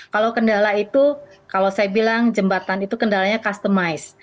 kalau kendala itu kalau saya bilang jembatan itu kendalanya customize